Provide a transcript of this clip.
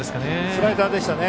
スライダーでしたね。